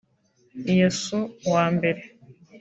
Iyasu wa mbere